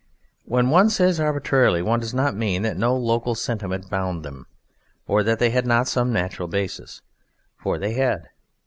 When one says "arbitrarily" one does not mean that no local sentiment bound them, or that they had not some natural basis, for they had.